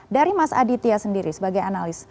dari mas aditya sendiri sebagai analis